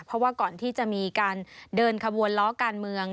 เพราะว่าก่อนที่จะมีการเดินขบวนล้อการเมือง